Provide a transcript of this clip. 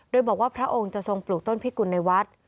โดยบอกว่าพระองค์จะทรงปลูกต้นพิกุลในวัด